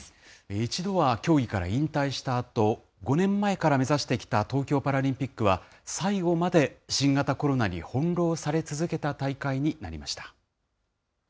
一度は競技から引退したあと、５年前から目指してきた東京パラリンピックは、最後まで新型コロナに翻弄され続けた大会になりました。